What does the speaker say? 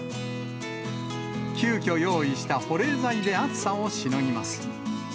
急きょ、用意した保冷剤で暑さをしのぎます。